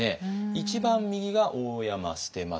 一番右が大山捨松。